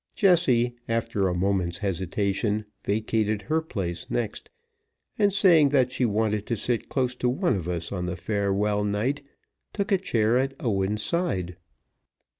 Jessie, after a moment's hesitation, vacated her place next, and, saying that she wanted to sit close to one of us on the farewell night, took a chair at Owen's side.